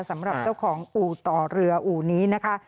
สำหรับเจ้าของอู่ต่อเรืออู่นี้นะคะ